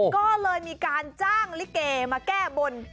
ก็เลยมีการจ้างลิเกมาแก้บน